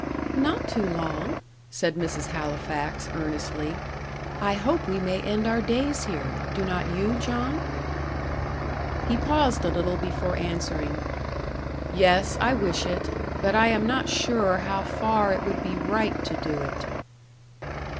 "Not too long," said Mrs. Halifax, earnestly. "I hope we may end our days here. Do not you, John?" He paused a little before answering. "Yes, I wish it; but I am not sure how far it would be right to do it."